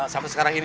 sampai sekarang ini